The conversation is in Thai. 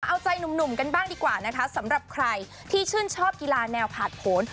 เอาใจหนุ่มกันบ้างดีกว่านะคะสำหรับใครที่ชื่นชอบกีฬาแนวผ่านผล